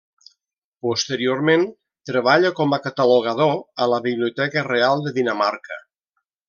Posteriorment treballa com a catalogador a la Biblioteca Real de Dinamarca.